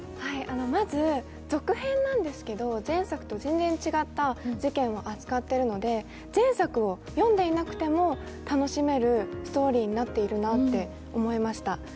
まず、続編なんですけど、前作と全然違った事件を扱っているので前作を読んでいなくても楽しめるストーリーになっているなと思いました。